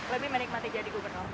lebih menikmati jadi gubernur